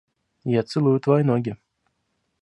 Я целую твои ноги.